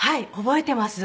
覚えています。